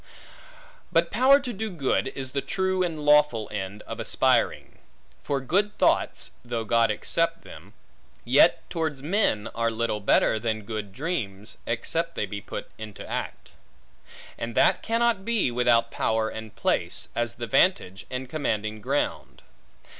But power to do good, is the true and lawful end of aspiring. For good thoughts (though God accept them) yet, towards men, are little better than good dreams, except they be put in act; and that cannot be, without power and place, as the vantage, and commanding ground.